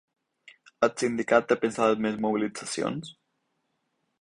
El sindicat té pensades més mobilitzacions?